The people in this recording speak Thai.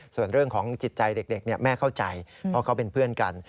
ส่วนเรื่องของจิตใจเด็กแม่เข้าใจเพราะเขาเป็นเพื่อนกัน